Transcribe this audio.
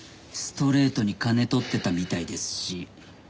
ストレートに金取ってたみたいですし。